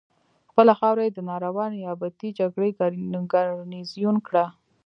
خپله خاوره یې د ناروا نیابتي جګړې ګارنیزیون کړه.